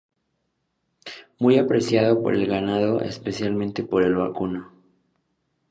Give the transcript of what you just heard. Muy apreciado por el ganado, especialmente por el vacuno.